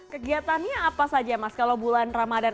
kegiatannya apa saja mas kalau bulan ramadan